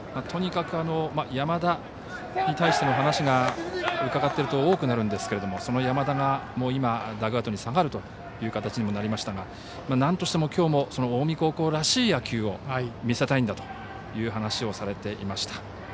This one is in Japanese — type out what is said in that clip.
とにかく山田に対しての話が伺っていると多くなるんですけど、その山田が今、ダグアウトに下がるという形にもなりましたがなんとしてもきょうも近江高校らしい野球を見せたいんだという話をされていました。